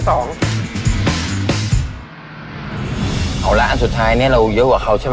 เอาละอันสุดท้ายเนี่ยเราเยอะกว่าเขาใช่ไหม